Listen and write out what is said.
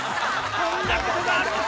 こんなことがあるのか？